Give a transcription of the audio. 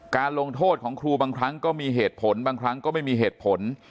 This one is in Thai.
ลงโทษของครูบางครั้งก็มีเหตุผลบางครั้งก็ไม่มีเหตุผล